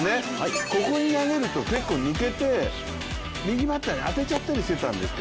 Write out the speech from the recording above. ここに投げると結構抜けて右バッターに当てちゃったりしてたんですよ。